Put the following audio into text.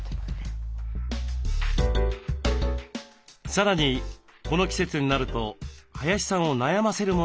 さらにこの季節になると林さんを悩ませるものがあります。